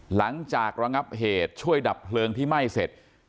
ระงับเหตุช่วยดับเพลิงที่ไหม้เสร็จ